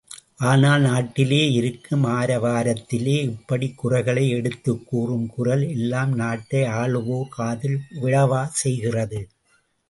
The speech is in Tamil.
ஆனால் நாட்டிலே இருக்கும் ஆரவாரத்திலே, இப்படிக் குறைகளை எடுத்துக்கூறும் குரல் எல்லாம் நாட்டை ஆளுவோர் காதில் விழவா செய்கிறது?